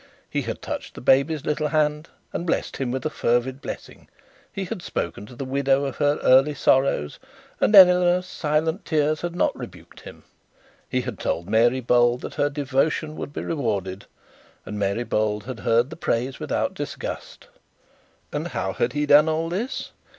He had touched the baby's little hand and blessed him with a fervid blessing; he had spoken to the widow of her early sorrows, and Eleanor's silent tears had not rebuked him; he had told Mary Bold that her devotion would be rewarded, and Mary Bold had heard the praise without disgust. And how had he done all this?